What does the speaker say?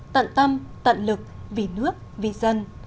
tận tâm tận lực vì nước vì dân